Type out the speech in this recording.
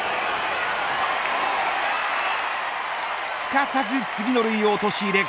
すかさず次の塁を陥れ